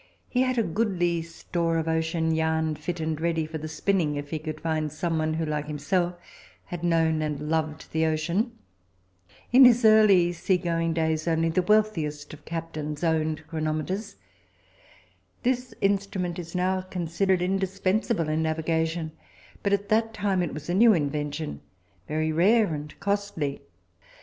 He had a goodly store of ocean yarn, fit and ready for the spinning, if he could but find someone who, like himself, had known and loved the ocean. In his early sea going days, only the wealthiest of captains owned chronometers. This instrument is now considered indispensable in navigation, but at that time it was a new invention, very rare and costly.